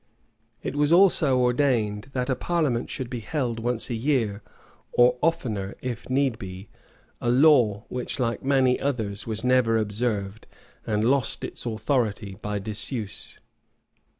It was also ordained that a parliament should be held once a year, or oftener, if need be; a law which, like many others, was never observed and lost its authority by disuse.